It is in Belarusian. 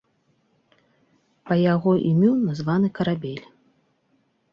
Па яго імю названы карабель.